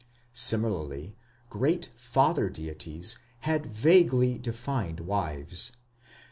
Similarly Great Father deities had vaguely defined wives.